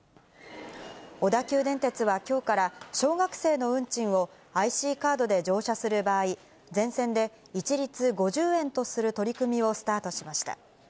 小田急電鉄はきょうから小学生の運賃を、ＩＣカードで乗車する場合、全線で一律５０円とする取り組みをスタートしました。